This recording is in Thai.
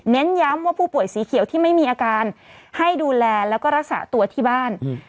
ย้ำว่าผู้ป่วยสีเขียวที่ไม่มีอาการให้ดูแลแล้วก็รักษาตัวที่บ้าน